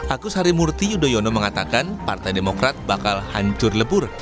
agus harimurti yudhoyono mengatakan partai demokrat bakal hancur lebur